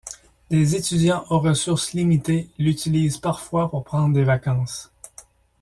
Des étudiants aux ressources limitées l'utilisent parfois pour prendre des vacances.